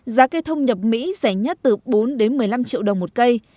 giá cây thông nhập mỹ rẻ nhất từ bốn đến một mươi năm triệu đồng một cây